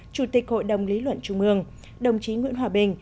chủ tịch hội đồng lý luận trung ương đồng chí nguyễn hòa bình